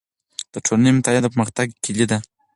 د ټولنې مطالعه د پرمختګ کیلي ده.